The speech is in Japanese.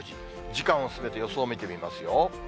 時間を進めて予想見てみますよ。